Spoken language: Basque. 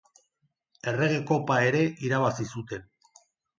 Errege Kopa ere irabazi zuten.